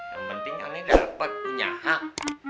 yang penting aneh dapet punya hak